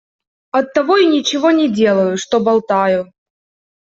Оттого и ничего не делаю, что болтаю.